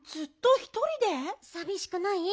さびしくない？